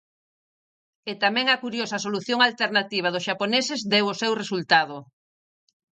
E tamén a curiosa solución alternativa dos xaponeses deu o seu resultado.